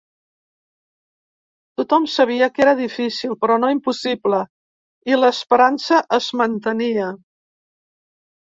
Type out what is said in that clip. Tothom sabia que era difícil però no impossible, i l’esperança es mantenia.